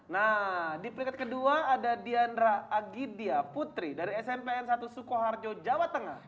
nah di peringkat kedua ada dianra agidia putri dari smp n satu sukoharjo jawa tengah